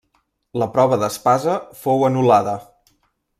La prova d'espasa fou anul·lada.